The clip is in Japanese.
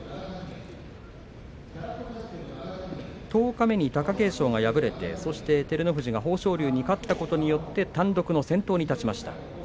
十日目に貴景勝が敗れてそして照ノ富士が豊昇龍に勝ったことによって単独の先頭に立ちました。